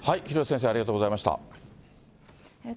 廣瀬先生、ありがとうございました。